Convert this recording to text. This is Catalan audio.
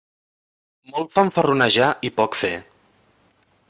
Molt fanfarronejar i poc fer.